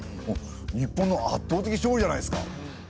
日本のあっとう的勝利じゃないですか。